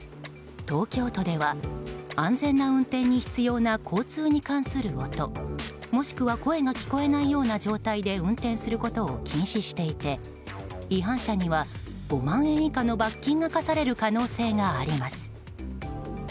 東京都では、安全な運転に必要な交通に関する音もしくは声が聞こえないような状態で運転することを禁じていて違反者には５万円以下の罰金が科される可能性があります。